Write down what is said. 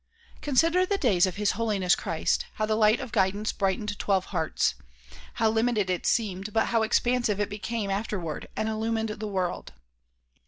Consider the days of His Holiness Christ, how the light of guidance brightened twelve hearts. How limited it seemed but how expansive it became afterward and illumined the world